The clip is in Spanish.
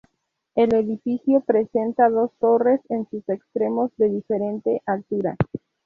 El edificio presenta dos torres en sus extremos de diferente altura.